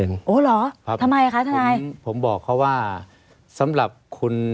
ทำไมคะทนายผมบอกเขาว่าสำหรับคุณ